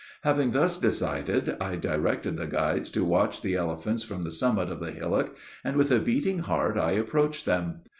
Having thus decided, I directed the guides to watch the elephants from the summit of the hillock, and with a beating heart I approached them.